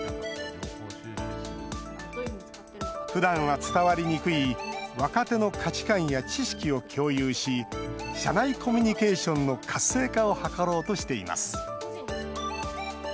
ふだんは伝わりにくい若手の価値観や知識を共有し社内コミュニケーションの活性化を図ろうとしています